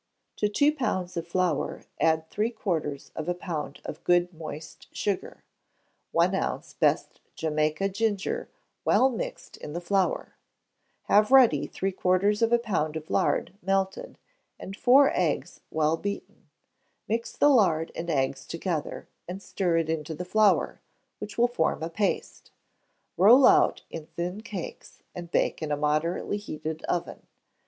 To two pounds of flour add three quarters of a pound of good moist sugar, one ounce best Jamaica ginger well mixed in the flour; have ready three quarters of a pound of lard, melted, and four eggs well beaten: mix the lard and eggs together, and stir into the flour, which will form a paste; roll out in thin cakes, and bake in a moderately heated oven.